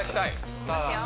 いきますよ